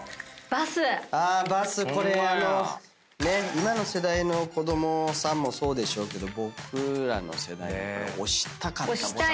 今の世代の子供さんもそうでしょうけど僕らの世代もこれ押したかった。